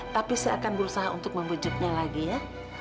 tapi saya akan berusaha untuk membujuknya lagi ya